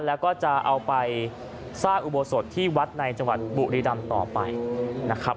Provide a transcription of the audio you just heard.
แล้วก็จะเอาไปสร้างอุโบสถที่วัดในจังหวัดบุรีรำต่อไปนะครับ